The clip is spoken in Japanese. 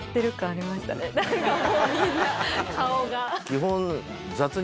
基本。